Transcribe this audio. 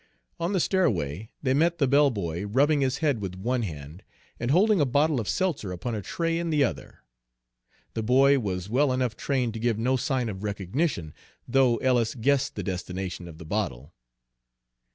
On the stairway they met the bellboy, rubbing his head with one hand and holding a bottle of seltzer upon a tray in the other. The boy was well enough trained to give no sign of recognition, though Ellis guessed the destination of the bottle.